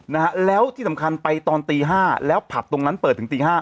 นะฮะแล้วที่สำคัญไปตอนตีห้าแล้วผับตรงนั้นเปิดถึงตีห้า